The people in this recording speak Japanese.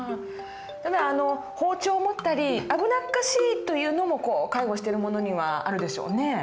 ただ包丁を持ったり危なっかしいというのも介護してる者にはあるでしょうね。